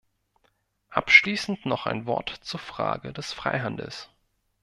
Abschließend noch ein Wort zur Frage des Freihandels.